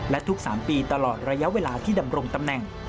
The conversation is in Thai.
และทุก๓ปีตลอดระยะเวลาที่ดำรงตำแหน่ง